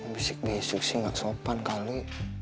musik basic sih gak sopan kali